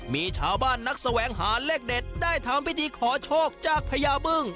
มีชาวบ้านนักแสวงหาเลขเด็ดได้ทำพิธีขอโชคจากพญาบึ้ง